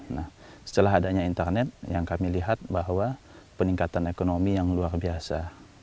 nah setelah adanya internet yang kami lihat bahwa peningkatan ekonomi yang luar biasa